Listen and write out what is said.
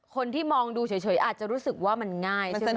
คนที่มองดูเฉยอาจจะรู้สึกว่ามันง่ายใช่ไหม